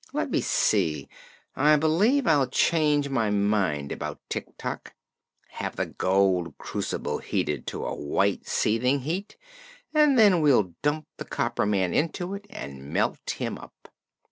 Let me see; I believe I'll change my mind about Tik Tok. Have the gold crucible heated to a white, seething heat, and then we'll dump the copper man into it and melt him up."